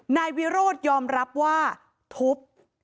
นายวิโรธยอมรับว่าทุบ